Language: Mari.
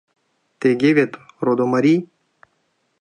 Тыге вет, родо марий?